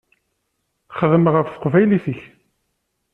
Xdem ɣef teqbaylit-ik.